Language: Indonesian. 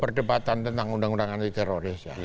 terdebatan tentang undang undang anti terorisme